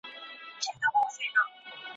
د فابریکو ماشینونه له کار څخه ولوېدل.